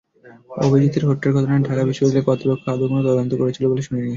অভিজিতের হত্যার ঘটনায় ঢাকা বিশ্ববিদ্যালয় কর্তৃপক্ষ আদৌ কোনো তদন্ত করেছিল বলে শুনিনি।